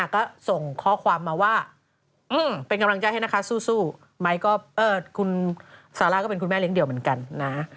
ก็ส่งข้อความมาว่าเป็นกำลังใจให้นะคะสู้ไหมก็คุณซาร่าก็เป็นคุณแม่เลี้ยเดี่ยวเหมือนกันนะ